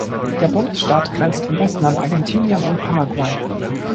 Der Bundesstaat grenzt im Westen an Argentinien und Paraguay.